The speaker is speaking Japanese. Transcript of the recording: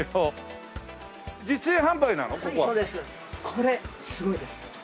これすごいです。